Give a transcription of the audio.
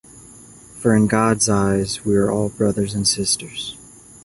For in God's eyes we are all brothers and sisters.